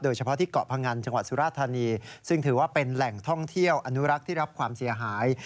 เฉพาะที่เกาะพงันจังหวัดสุราธานีซึ่งถือว่าเป็นแหล่งท่องเที่ยวอนุรักษ์ที่รับความเสียหาย